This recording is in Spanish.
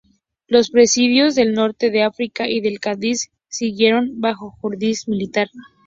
Los presidios del norte de África y el de Cádiz siguieron bajo jurisdicción militar.